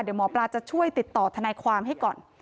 เดี๋ยวหมอปลาจะช่วยติดต่อทนายความให้ก่อน